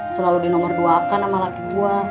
selalu dinomor dua kan sama laki gue